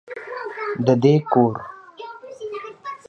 د دې کور